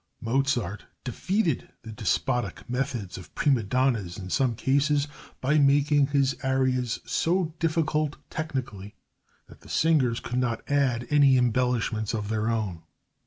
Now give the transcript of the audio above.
Mozart defeated the despotic methods of prima donnas in some cases by making his arias so difficult technically that the singers could not add any embellishments of their own.